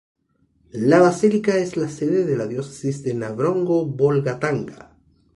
La basílica es la sede de la diócesis de Navrongo-Bolgatanga.